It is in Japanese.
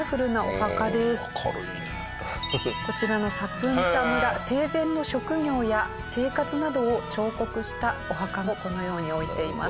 こちらのサプンツァ村生前の職業や生活などを彫刻したお墓をこのように置いています。